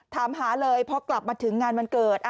ถามหาเลยพอกลับมาถึงงานวันเกิด